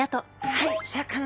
はい。